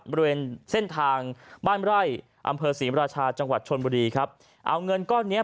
บริเวณเส้นทางบ้านไร่อำเภอศรีมราชาจังหวัดชนบุรีครับเอาเงินก้อนเนี้ย